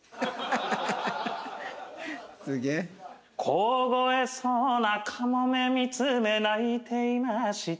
「こごえそうな鴎見つめ泣いていました」